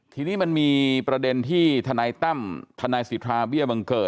ทีนี้มันมีประเด็นที่ทนายตั้มทนายสิทธาเบี้ยบังเกิด